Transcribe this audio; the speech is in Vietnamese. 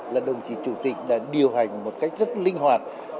là đồng chí chủ tịch đã điều hành một cách rất linh hoạt